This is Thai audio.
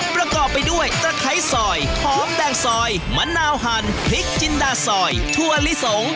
ประกอบไปด้วยตะไคร้ซอยหอมแดงซอยมะนาวหั่นพริกจินดาซอยถั่วลิสง